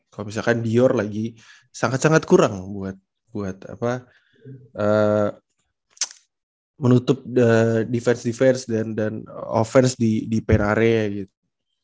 kalau misalkan dior lagi sangat sangat kurang buat menutup defense defense dan offense di pay area gitu